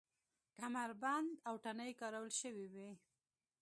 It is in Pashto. کمربند او تڼۍ کارول شوې وې.